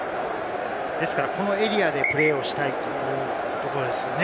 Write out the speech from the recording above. このエリアでプレーをしたいというところですよね。